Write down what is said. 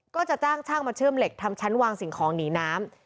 ก็จะจ้างช่างมาเชื่อมเหล็กทำชั้นวางสิ่งของหนีน้ำ